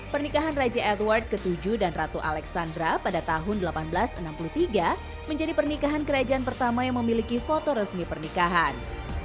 pernikahan raja edward vii dan ratu alexandra pada tahun seribu delapan ratus enam puluh tiga menjadi pernikahan kerajaan pertama yang memiliki foto resmi pernikahan